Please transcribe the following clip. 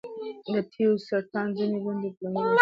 د تیو سرطان ځینې بڼې په لومړیو مرحلو کې درملنه کېږي.